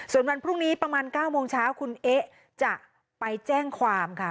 ส่วนวันพรุ่งนี้ประมาณ๙โมงเช้าคุณเอ๊ะจะไปแจ้งความค่ะ